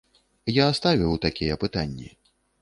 Я ставіў такія пытанні.